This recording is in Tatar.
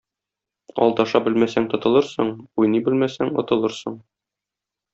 Алдаша белмәсәң тотылырсың, уйный белмәсәң отылырсың.